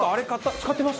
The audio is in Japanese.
使ってます？